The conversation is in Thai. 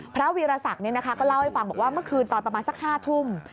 วีรศักดิ์ก็เล่าให้ฟังบอกว่าเมื่อคืนตอนประมาณสัก๕ทุ่ม